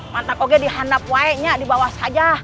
mantap oke dihantar poinnya di bawah saja